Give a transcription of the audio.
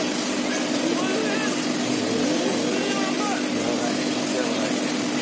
やわらかいねホントやわらかいね。